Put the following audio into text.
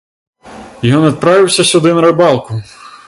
Ён адправіўся сюды на рыбалку.